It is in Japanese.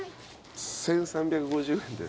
１，３５０円です。